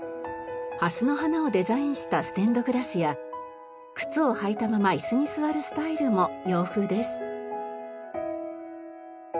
ハスの花をデザインしたステンドグラスや靴を履いたまま椅子に座るスタイルも洋風です。